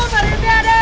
bu ranti bu ranti